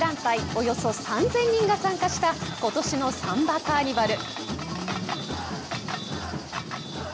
およそ３０００人が参加したことしのサンバカーニバル。